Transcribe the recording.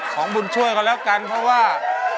บุญช่วยกันแล้วกันเพราะว่า